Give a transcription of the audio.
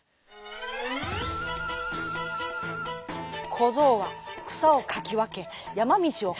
こぞうはくさをかきわけやまみちをかけおり